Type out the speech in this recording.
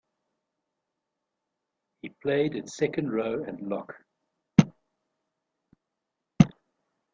He played at second-row and lock.